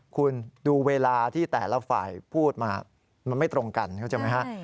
คุณดูเวลาที่แต่ละฝ่ายพูดมามันไม่ตรงกันเข้าใจไหมฮะ